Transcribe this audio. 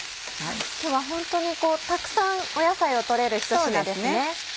今日はホントにたくさん野菜を取れるひと品ですね。